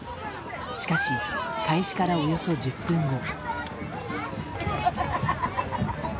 しかし、開始からおよそ１０分後。